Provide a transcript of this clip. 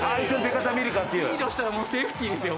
リードしたらセーフティですよ